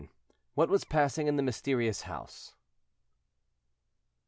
WHAT WAS PASSING IN THE MYSTERIOUS HOUSE.